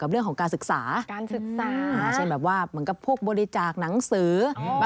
ครับครับ